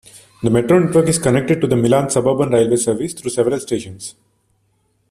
The metro network is connected to the Milan suburban railway service through several stations.